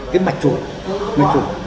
cái mạch chuột